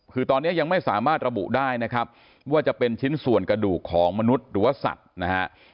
คือตอนนี้ยังไม่สามารถระบุได้นะครับว่าจะเป็นชิ้นส่วนกระดูกของมนุษย์หรือว่าสัตว์นะฮะ